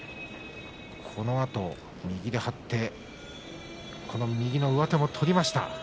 このあと右で張って右の上手も取りました。